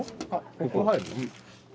ここ入るの？